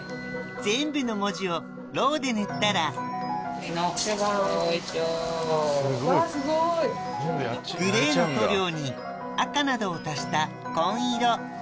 全部の文字をろうで塗ったらグレーの塗料に赤などを足した紺色